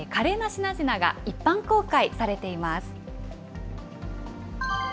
華麗な品々が一般公開されています。